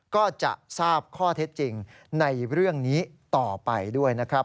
ก็จะทราบข้อเท็จจริงในเรื่องนี้ต่อไปด้วยนะครับ